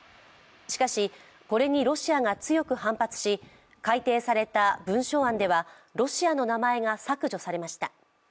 しかし、これにロシアが強く反発し改定された文書案ではロシアの名前が削除されました。